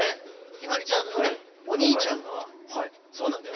陽葵ちゃんのお兄ちゃんがそうなんだよね。